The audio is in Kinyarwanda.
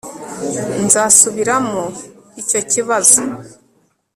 nzasubiramo icyo kibazo